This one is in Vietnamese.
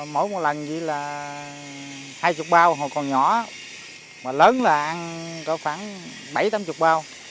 mỗi một lần hai mươi bao còn nhỏ lớn là ăn có khoảng bảy tám mươi bao